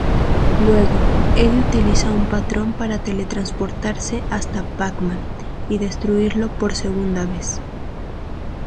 Luego, Eddie utiliza un patrón para teletransportarse hasta Pac-Man y destruirlo por segunda vez.